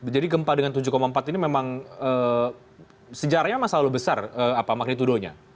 jadi gempa dengan tujuh empat ini memang sejarahnya memang selalu besar apa maknitudonya